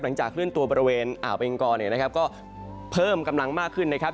เคลื่อนตัวบริเวณอ่าวเบงกอเนี่ยนะครับก็เพิ่มกำลังมากขึ้นนะครับ